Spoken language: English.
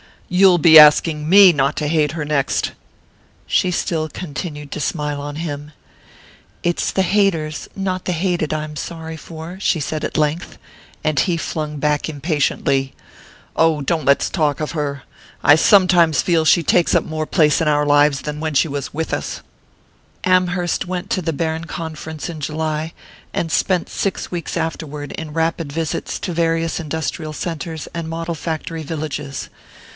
"You'll be asking me not to hate her next!" She still continued to smile on him. "It's the haters, not the hated, I'm sorry for," she said at length; and he flung back impatiently: "Oh, don't let's talk of her. I sometimes feel she takes up more place in our lives than when she was with us!" Amherst went to the Berne conference in July, and spent six weeks afterward in rapid visits to various industrial centres and model factory villages.